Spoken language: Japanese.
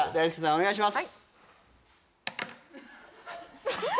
お願いします